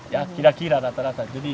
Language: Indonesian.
ya kira kira rata rata